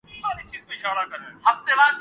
جتنا کہ ان کے اپنے اصولوں کے تحت۔